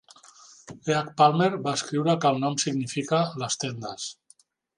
E. H. Palmer va escriure que el nom significa "les tendes".